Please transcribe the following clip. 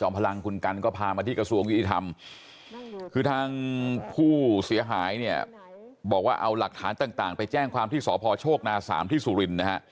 จะฆ่าอะไรอย่างนี้น่ะก็เลยจับมือเขาไว้จับมือเขาไว้